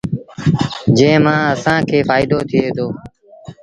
جݩهݩ مآݩ اسآݩ کي ڦآئيدو ٿئي دو۔